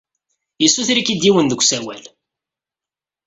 Yessuter-ik-id yiwen deg usawal.